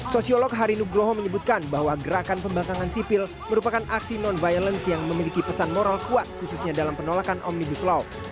sosiolog hari nugroho menyebutkan bahwa gerakan pembangkangan sipil merupakan aksi non violence yang memiliki pesan moral kuat khususnya dalam penolakan omnibus law